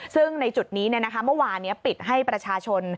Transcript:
ซึ่งในจุดนี้เมื่อวานนี้ปิดให้ประชาชน